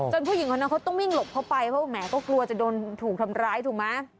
ผู้หญิงคนนั้นเขาต้องวิ่งหลบเข้าไปเพราะแหมก็กลัวจะโดนถูกทำร้ายถูกไหม